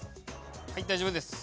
はい大丈夫です。